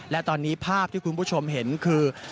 และตอนนี้ภาพที่คุณผู้ชมเห็นคือ